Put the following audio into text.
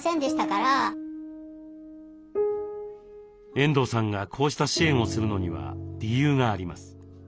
遠藤さんがこうした支援をするのには理由があります。